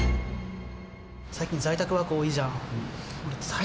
最近、在宅ワーク多いじゃん？